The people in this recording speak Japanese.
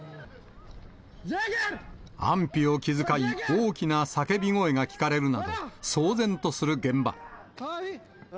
安否を気遣い、大きな叫び声が聞かれるなど、騒然とする現場。